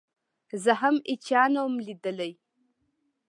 زه هم هېچا نه وم ليدلى.